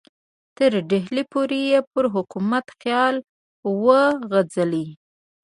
تر ډهلي پورې یې پر حکومت خیال وځغلي.